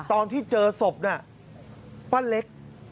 ตอนที่เจอศพน่ะป้าเล็ก